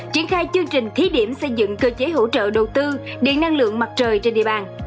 triển khai chương trình thí điểm xây dựng cơ chế hỗ trợ đầu tư điện năng lượng mặt trời trên địa bàn